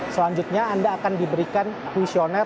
selanjutnya anda akan diberikan questionnaire